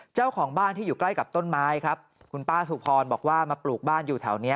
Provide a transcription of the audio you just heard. เจ้าของบ้านที่อยู่ใกล้กับต้นไม้ครับคุณป้าสุพรบอกว่ามาปลูกบ้านอยู่แถวนี้